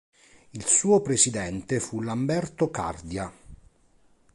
Il suo presidente fu Lamberto Cardia.